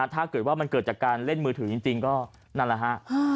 ถ้าเกิดว่ามันเกิดจากการเล่นมือถือจริงก็นั่นแหละฮะ